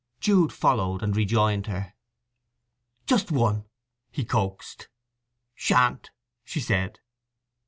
Jude followed and rejoined her. "Just one!" he coaxed. "Shan't!" she said.